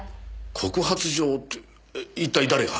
告発状って一体誰が？